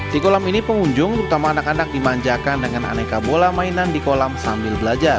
di kolam ini pengunjung terutama anak anak dimanjakan dengan aneka bola mainan di kolam sambil belajar